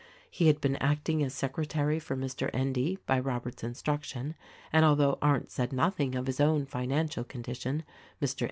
TTe had been acting as secre tary for Mr. Endy. by Robert's instruction, and although Arndt said nothing of his own financial condition.